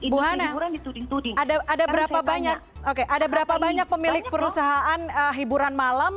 bu hana ada berapa banyak pemilik perusahaan hiburan malam